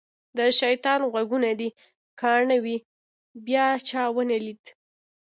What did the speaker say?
د شیطان غوږونه دې کاڼه وي بیا چا ونه لید.